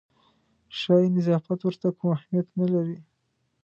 ښایي نظافت ورته کوم اهمیت نه لري.